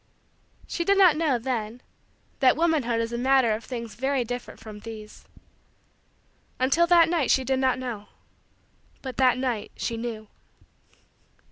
She did not know, then, that womanhood is a matter of things very different from these. Until that night she did not know. But that night she knew.